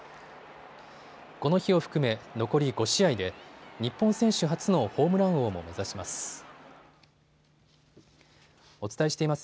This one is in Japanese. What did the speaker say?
この日を含め残り５試合で日本選手初のホームラン王も目指します。